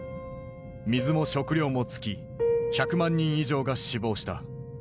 水も食料も尽き１００万人以上が死亡した。